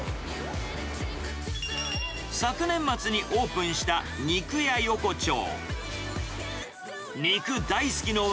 昨年末にオープンした肉屋横丁。